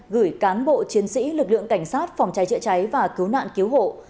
gửi cán bộ chiến sĩ lực lượng cảnh sát phòng cháy chữa cháy và cứu nạn cứu hộ